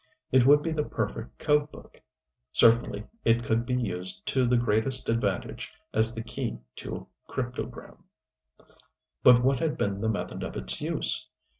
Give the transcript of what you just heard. It would be the perfect code book. Certainly it could be used to the greatest advantage as the key to a cryptogram. But what had been the method of its use?